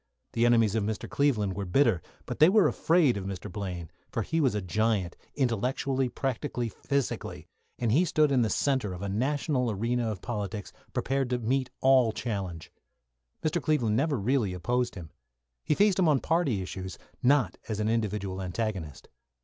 The enemies of Mr. Cleveland were bitter, but they were afraid of Mr. Blaine; for he was a giant intellectually, practically, physically, and he stood in the centre of a national arena of politics, prepared to meet all challenge. Mr. Cleveland never really opposed him. He faced him on party issues, not as an individual antagonist.